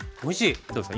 どうですか？